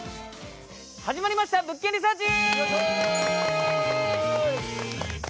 始まりました「物件リサーチ」。